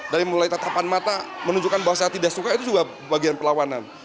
dari mulai tatapan mata menunjukkan bahwa saya tidak suka itu juga bagian perlawanan